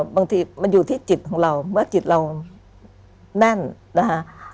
บางทีมันอยู่ที่จิตของเราเมื่อจิตเราแน่นนะคะ